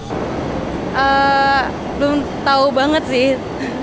belum tahu banget sih